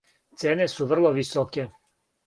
Цене су врло високе.